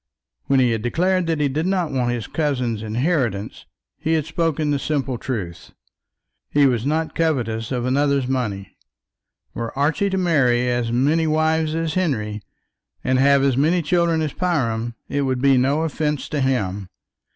When he had declared that he did not want his cousin's inheritance, he had spoken the simple truth. He was not covetous of another's money. Were Archie to marry as many wives as Henry, and have as many children as Priam, it would be no offence to him.